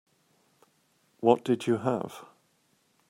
What did you have?